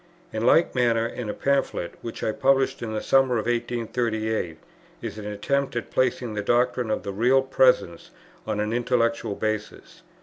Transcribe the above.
In like manner in a Pamphlet, which I published in the summer of 1838, is an attempt at placing the doctrine of the Real Presence on an intellectual basis.